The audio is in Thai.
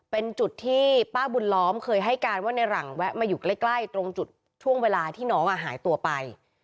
เป็นจุดที่ป้าบุญล้อมเคยให้การว่าในหลังแวะมาอยู่ใกล้ตรงจุดช่วงเวลาที่น้องหายตัวไป